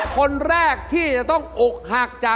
พลานค่ะ